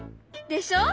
でしょ？